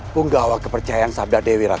punggawa kepercayaan sabda dewi rama